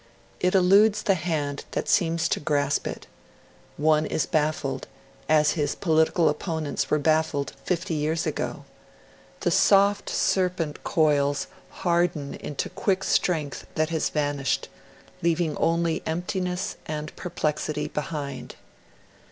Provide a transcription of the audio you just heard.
It eludes the hand that seems to grasp it. One is baffled, as his political opponents were baffled fifty years ago. The soft serpent coils harden into quick strength that has vanished, leaving only emptiness and perplexity behind.